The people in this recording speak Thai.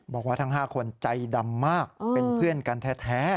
บอกว่าทั้ง๕คนใจดำมากเป็นเพื่อนกันแท้